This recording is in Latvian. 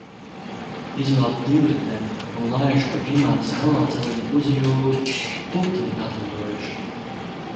Izvelku divriteni un laižu pa Imantas veloceliņu uz jūru. Putni atlidojuši.